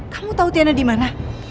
kamu tau tiana dimana